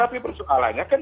tapi persoalannya kan